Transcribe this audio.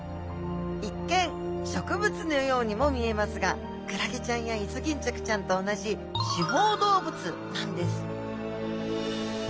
一見植物のようにも見えますがクラゲちゃんやイソギンチャクちゃんと同じ刺胞動物なんです